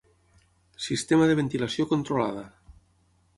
Sistema de ventilació controlada.